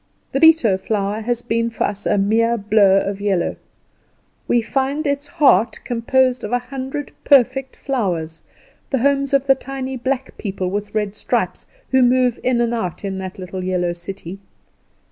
The bitto flower has been for us a mere blur of yellow; we find its heart composed of a hundred perfect flowers, the homes of the tiny black people with red stripes, who move in and out in that little yellow city.